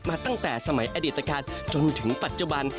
ตั้งแต่สมัยอดีตการจนถึงปัจจุบัน